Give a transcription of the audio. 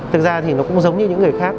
thực ra thì nó cũng giống như những người khác